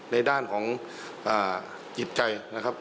ในด้านของจิตใจนะครับ